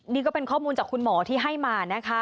นี่ก็เป็นข้อมูลจากคุณหมอที่ให้มานะคะ